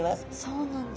そうなんだ。